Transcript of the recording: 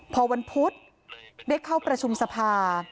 พอวันพุธได้เข้าประชุมสภา